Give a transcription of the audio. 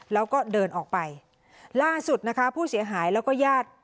แล้วก็เดินออกไปล่าสุดนะคะผู้เสียหายแล้วก็ญาติ